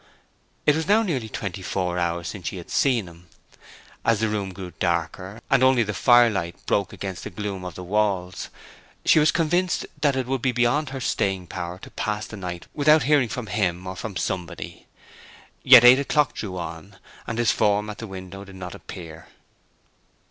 It was now nearly twenty four hours since she had seen him. As the room grew darker, and only the firelight broke against the gloom of the walls, she was convinced that it would be beyond her staying power to pass the night without hearing from him or from somebody. Yet eight o'clock drew on, and his form at the window did not appear.